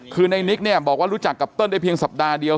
คือในนิกเนี่ยบอกว่ารู้จักกับเติ้ลได้เพียงสัปดาห์เดียว